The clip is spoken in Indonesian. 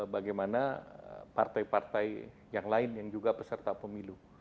bagaimana partai partai yang lain yang juga peserta pemilu